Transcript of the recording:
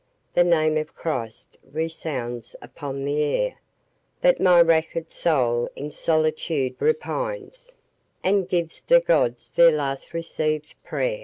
The name of Christ resounds upon the air. But my wrack'd soul in solitude repines And gives the Gods their last receivèd pray'r.